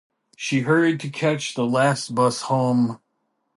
She hurried to catch the last bus home.